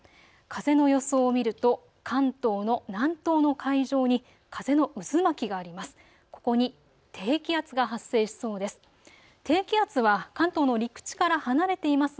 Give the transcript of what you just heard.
風の予想を見ると関東の南東の海上に風の渦巻きがあります。